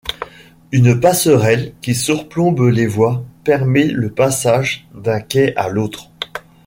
Une passerelle qui surplombe les voies permet le passage d'un quai à l'autre.